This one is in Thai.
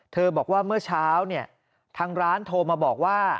บอกว่าเมื่อเช้าเนี่ยทางร้านโทรมาบอกว่า